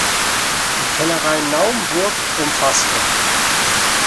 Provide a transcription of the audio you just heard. Die Kellerei Naumburg umfasste